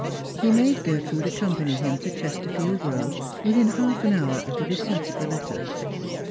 He made Gertrude accompany him to Chesterfield row within half an hour of the receipt of the letter.